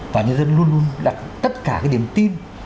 và nhân dân luôn luôn đặt tất cả cái điểm tin